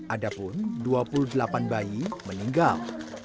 ada pun dua puluh delapan bayi meninggal